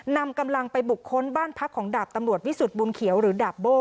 นำกำลังไปบุคคลบ้านพักของดาบตำรวจวิสุทธิบุญเขียวหรือดาบโบ้